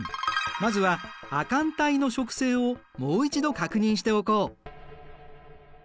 まずは亜寒帯の植生をもう一度確認しておこう。